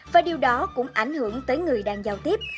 và điều đó cũng ảnh hưởng tới người đang giao tiếp